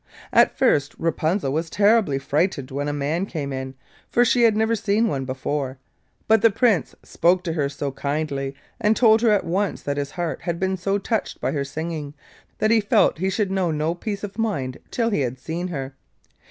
At first Rapunzel was terribly frightened when a man came in, for she had never seen one before; but the Prince spoke to her so kindly, and told her at once that his heart had been so touched by her singing, that he felt he should know no peace of mind till he had seen her.